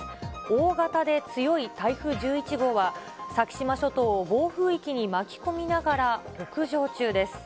大型で強い台風１１号は、先島諸島を暴風域に巻き込みながら北上中です。